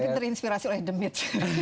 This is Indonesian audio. mungkin terinspirasi oleh the mid